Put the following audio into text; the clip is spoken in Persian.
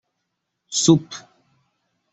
سوپ